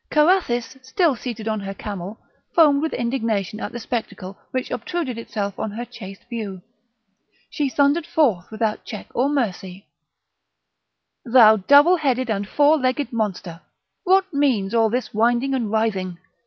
Carathis, still seated on her camel, foamed with indignation at the spectacle which obtruded itself on her chaste view; she thundered forth without check or mercy: "Thou double headed and four legged monster! what means all this winding and writhing?